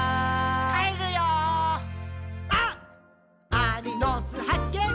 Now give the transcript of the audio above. アリの巣はっけん